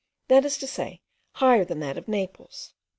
that is to say, higher than that of Naples.